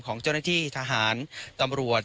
ของเจ้าหน้าที่ทหารตำรวจ